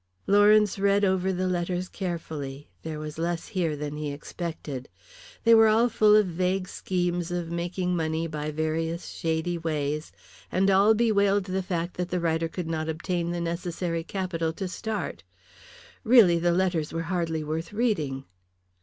Lawrence read over the letters carefully, there was less here than he expected. They were all full of vague schemes of making money by various shady ways, and all bewailed the fact that the writer could not obtain the necessary capital to start. Really the letters were hardly worth reading.